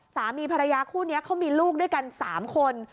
สามีภรรยาคู่นี้เขามีลูกด้วยกัน๓คน